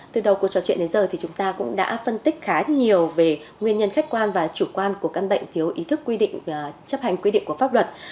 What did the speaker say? từ đầu cuộc trò chuyện đến giờ thì chúng ta cũng đã phân tích khá nhiều về nguyên nhân khách quan và chủ quan của căn bệnh thiếu ý thức quy định chấp hành quy định của pháp luật